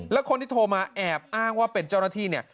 แล้วคนที่โทรมาแอบอ้างว่าเป็นเจ้าหน้าที่เนี่ย